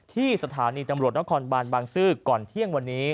ที่สถานีตำรวจนครบานบางซื่อก่อนเที่ยงวันนี้